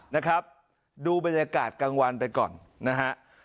นะครับดูบรรยากาศกลางวันไปก่อนนะฮะ